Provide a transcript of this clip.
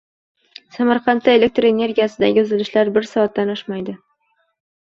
Samarqandda elektr energiyasidagi uzilishlar bir soatdan oshmaydi